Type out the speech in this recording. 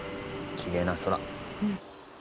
きれいな空。